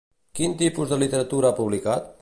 Quin tipus de literatura ha publicat?